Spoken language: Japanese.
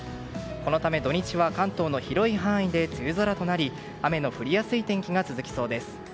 このため土日は関東の広い範囲で梅雨空となり雨の降りやすい天気が続きそうです。